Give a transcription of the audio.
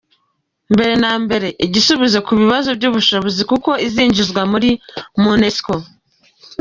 Mbere na mbere, igisubizo ku kibazo cy’ubushobozi kuko uzinjizwa muri Monusco.